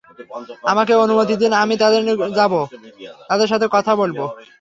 আমাকে অনুমতি দিন, আমি তাদের নিকট যাব, তাদের সাথে কথা বলব।